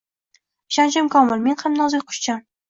Ishonchim komil, men ham nozik qushcham